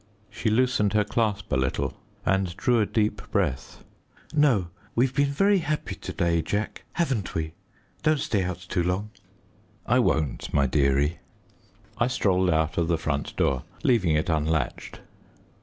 She loosened her clasp a little and drew a deep breath. "No. We've been very happy to day, Jack, haven't we? Don't stay out too long." "I won't, my dearie." I strolled out of the front door, leaving it unlatched.